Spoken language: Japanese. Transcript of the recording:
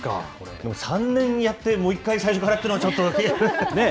でも３年やってもう一回最初からっていうのはちょっとね。